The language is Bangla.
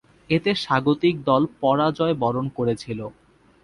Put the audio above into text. এতে স্বাগতিক দল পরাজয়বরণ করেছিল।